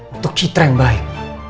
untuk citra yang baik